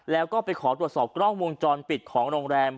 แล้วก็ไปขอตรวจสอบกล้องวงจรปิดของโรงแรม